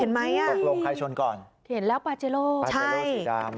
เห็นไหมอ่ะตกลงใครชนก่อนเห็นแล้วปาเจโรใช่